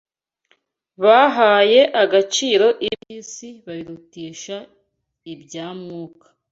Bahaye agaciro iby’isi babirutisha ibya Mwuka